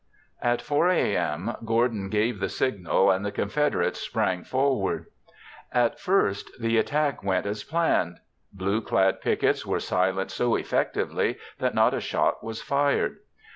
At 4 a.m. Gordon gave the signal, and the Confederates sprang forward. At first the attack went as planned. Blue clad pickets were silenced so effectively that not a shot was fired.